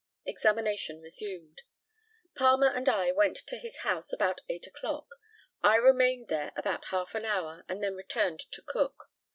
Examination resumed: Palmer and I went to his house about eight o'clock. I remained there about half an hour, and then returned to Cook.